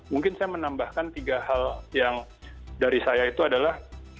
mungkin saya menambahkan tiga hal yang dari saya itu adalah